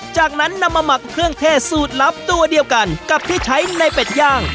จากนั้นนำมาหมักเครื่องเทศสูตรลับตัวเดียวกันกับที่ใช้ในเป็ดย่าง